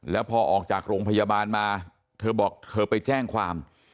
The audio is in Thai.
แล้วพอออกจากโรงพยาบาลมาเธอบอกเธอไปแจ้งความ